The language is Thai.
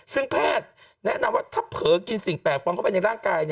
ซึ่งแพทย์แนะนำว่าถ้าเผลอกินสิ่งแปลกปลอมเข้าไปในร่างกาย